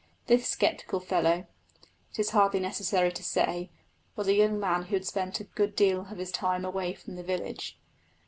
This sceptical fellow, it is hardly necessary to say, was a young man who had spent a good deal of his time away from the village.